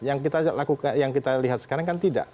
yang kita lihat sekarang kan tidak